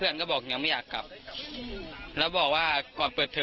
คือคำให้การในกอล์ฟนี่คือคำให้การในกอล์ฟนี่คือ